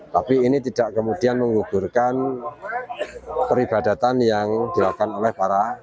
tapi ini tidak kemudian mengubah